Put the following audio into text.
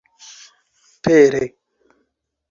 pere